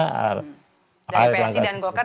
psi dan golkar